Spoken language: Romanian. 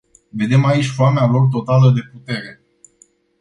Vedem aici foamea lor totală de putere.